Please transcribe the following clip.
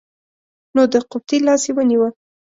نو د قبطي لاس یې ونیوه.